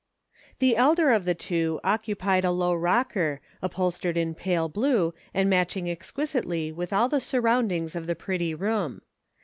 THE elder of the two occupied a low rocker, upholstered in pale blue, and matching ex quisitely with all the surroundings of the pretty room.